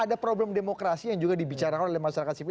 ada problem demokrasi yang juga dibicarakan oleh masyarakat sipil